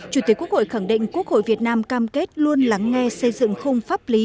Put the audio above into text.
chủ tịch quốc hội khẳng định quốc hội việt nam cam kết luôn lắng nghe xây dựng khung pháp lý